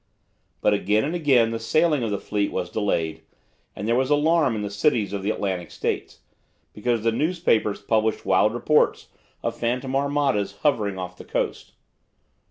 But again and again the sailing of the fleet was delayed, and there was alarm in the cities of the Atlantic states, because the newspapers published wild reports of phantom armadas hovering off the coast.